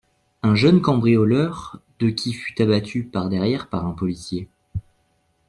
Un jeune cambrioleur de qui fût abattu par derrière par un policier.